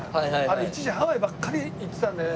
あれ一時ハワイばっかり行ってたんだよね。